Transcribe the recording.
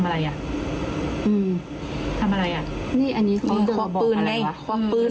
ทำอะไรอ่ะอืมทำอะไรอ่ะนี่อันนี้เขาเดินมาบอกอะไรวะ